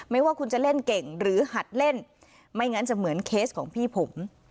ไม่ว่าคุณจะเล่นเก่งหรือหัดเล่นไม่งั้นจะเหมือนเคสของพี่ผม